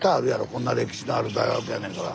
こんな歴史のある大学やねんから。